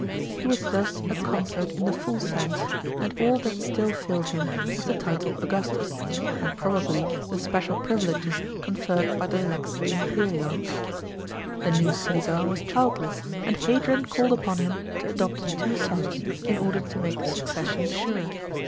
He was thus a consort in the full sense, and all that still failed him was the title Augustus, and probably the special privileges con ferred by the lex de imperio. The new Csesar f was childless, and Hadrian called upon him to adopt two sons, in order to make the succession sure.